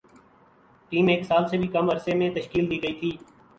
team ایک سال سے بھی کم عرصے میں تشکیل دی گئی تھی